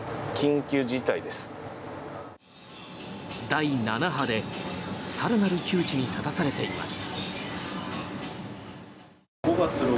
第７波で更なる窮地に立たされています。